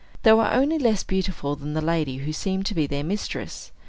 They were only less beautiful than the lady who seemed to be their mistress.